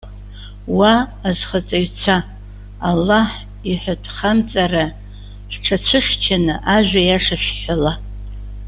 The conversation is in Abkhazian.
Уа, азхаҵаҩцәа! Аллаҳ иҳәатәхамҵара шәҽацәыхьчаны, ажәа иаша шәҳәала.